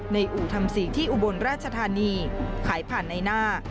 อู่ทำศรีที่อุบลราชธานีขายผ่านในหน้า